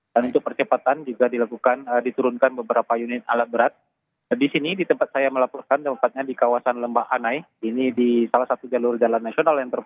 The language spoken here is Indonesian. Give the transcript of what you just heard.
dan untuk percepatan juga dilakukan diturunkan beberapa kali